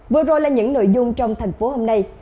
vừa rồi là những nội dung trong thành phố hôm nay